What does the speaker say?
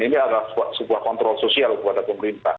ini adalah sebuah kontrol sosial kepada pemerintah